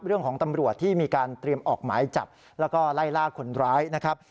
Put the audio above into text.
เรื่องของตำรวจที่มีการเตรียมออกหมายจับแล้วก็ไล่ล่าคนร้ายนะครับ